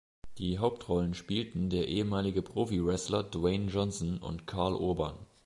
Die Hauptrollen spielten der ehemalige Profi-Wrestler Dwayne Johnson und Karl Urban.